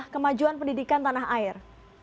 kemajuan pendidikan tanah air